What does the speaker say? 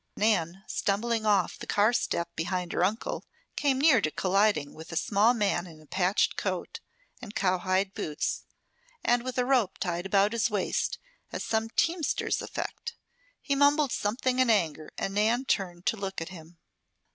Nan, stumbling off the car step behind her uncle, came near to colliding with a small man in patched coat and cowhide boots, and with a rope tied about his waist as some teamsters affect. He mumbled something in anger and Nan turned to look at him.